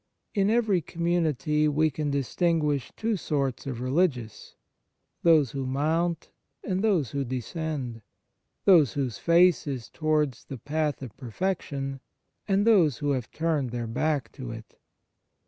In every community we can distinguish two sorts of religious those who mount and those who descend those whose face is towards the path of perfection, and those who have turned their back to it.